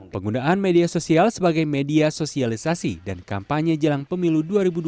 penggunaan media sosial sebagai media sosialisasi dan kampanye jelang pemilu dua ribu dua puluh